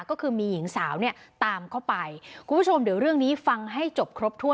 ก็คือมีหญิงสาวเนี่ยตามเข้าไปคุณผู้ชมเดี๋ยวเรื่องนี้ฟังให้จบครบถ้วน